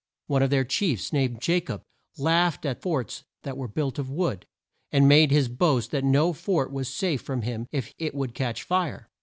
One of their chiefs, named Ja cob, laughed at forts that were built of wood, and made his boast that no fort was safe from him if it would catch fire.